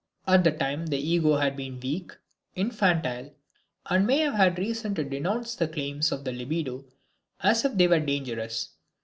At that time the ego had been weak, infantile and may have had reason to denounce the claims of the libido as if they were dangerous.